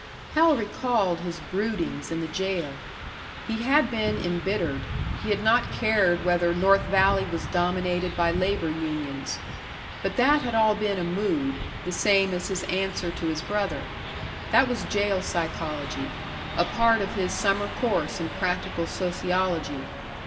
Hal recalled his broodings in the jail. He had been embittered; he had not cared whether North Valley was dominated by labour unions. But that had all been a mood, the same as his answer to his brother; that was jail psychology, a part of his summer course in practical sociology.